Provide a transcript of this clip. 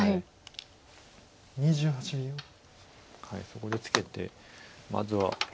そこでツケてまずはちょっと。